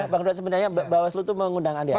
bang dua sebenarnya bawas luni itu mengundang andi arief